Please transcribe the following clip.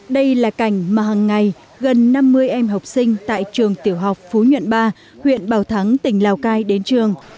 đây là cảnh mà hàng ngày gần năm mươi em học sinh tại trường tiểu học phú nhuận ba huyện bảo thắng tỉnh lào cai đến trường